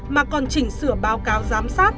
mà còn chỉnh sửa báo cáo giám sát